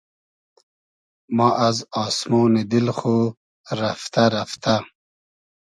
ما از آسمۉنی دیل خو رئفتۂ رئفتۂ